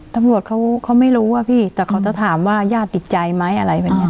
ตำรวจเขาไม่รู้ว่าพี่แต่เขาจะถามว่าญาติติดใจไหมอะไรแบบนี้